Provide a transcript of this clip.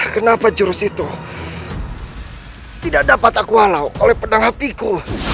kenapa jurus itu tidak dapat aku halu oleh pedang apiku